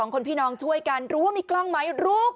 ๒คนผีน้องช่วยกันรู้ว่ามีกล้องไหมรู้ค่ะ